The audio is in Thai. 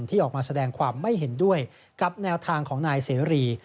ที่ออกมาแสดงความไม่เห็นด้วยกับแนวทางของนายเสรี